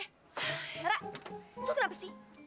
yara lo kenapa sih